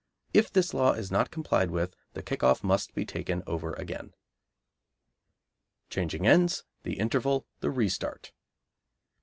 (If this law is not complied with the kick off must be taken over again.) Changing Ends. The Interval. The Re start.